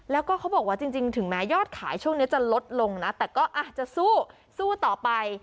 แล้วก็เขาบอกว่าจริงถึงแม้ยอดขายช่วงนี้จะลดลงนะแต่ก็อาจจะสู้สู้ต่อไป